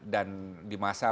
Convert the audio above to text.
dan di masa